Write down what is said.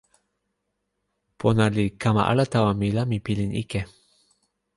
pona li kama ala tawa mi la mi pilin ike.